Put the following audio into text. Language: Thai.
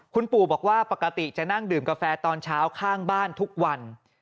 คุณปู่บอกว่าปกติจะนั่งดื่มกาแฟตอนเช้าข้างบ้านทุกวัน